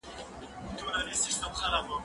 که وخت وي، پاکوالی کوم؟!